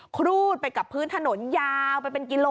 ครูดไปกับพื้นถนนยาวไปเป็นกิโล